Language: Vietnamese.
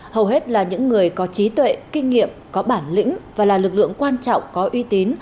hầu hết là những người có trí tuệ kinh nghiệm có bản lĩnh và là lực lượng quan trọng có uy tín